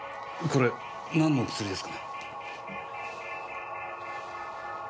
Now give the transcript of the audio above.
これ何の薬ですかね？